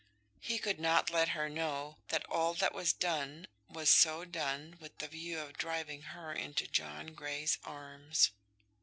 He could not let her know that all that was done was so done with the view of driving her into John Grey's arms.